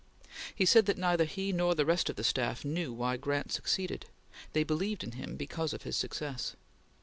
He said that neither he nor the rest of the staff knew why Grant succeeded; they believed in him because of his success.